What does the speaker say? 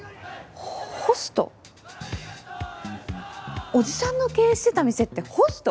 ホスト？叔父さんの経営してた店ってホスト？